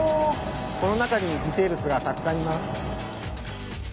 この中に微生物がたくさんいます。